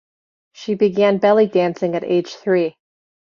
She began belly dancing at age three.